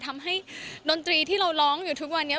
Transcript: ทำให้ดนตรีที่เราร้องอยู่ทุกวันเนี่ย